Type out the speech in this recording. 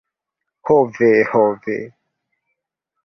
Ho ve! Ho ve.